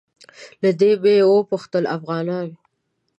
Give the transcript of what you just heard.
له ده مې وپوښتل افغانان.